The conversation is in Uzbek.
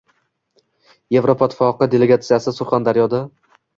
Yevropa Ittifoqi delegatsiyasi Surxondaryoddang